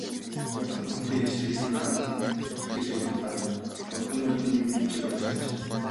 Хурдан хөлтийн ээж тэрэгний аралд зүтгэж явахдаа хурдан морьдын нэгэн жүчээг олж харжээ.